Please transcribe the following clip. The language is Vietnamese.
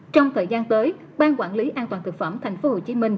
trong thời gian tới ban quản lý an toàn thực phẩm tp hcm